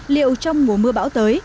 liệu trong mùa mưa bão tới